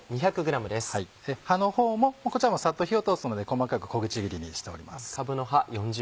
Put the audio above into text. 葉の方もこちらもサッと火を通すので細かく小口切りにしております。